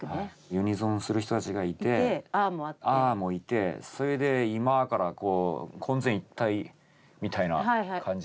ユニゾンする人たちがいて「あ」もいてそれで「今」からこう混然一体みたいな感じでこう。